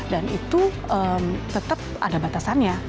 dan itu tetap ada batasannya